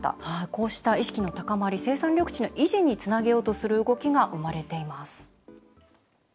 こうした意識の高まり生産緑地の維持につなげようとする動きが生まれています。